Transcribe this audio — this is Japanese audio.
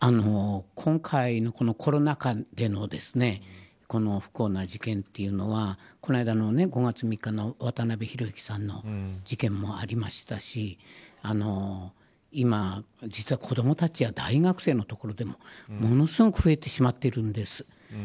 今回のコロナ禍での不幸な事件というのはこの間の５月３日の渡辺裕之さんの事件もありましたし今、実際子どもや大学生のところでものすごく増えてしまってるんです。